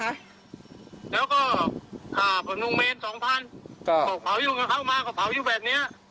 แล้วก็ค่าขนมเมนสองพันก็เผายุ่งกับเขามาก็เผาอยู่แบบเนี้ย